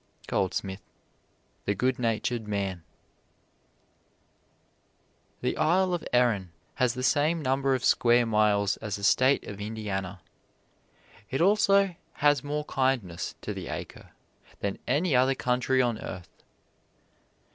Goldsmith, "The Good Natured Man" [Illustration: OLIVER GOLDSMITH] The Isle of Erin has the same number of square miles as the State of Indiana; it also has more kindness to the acre than any other country on earth.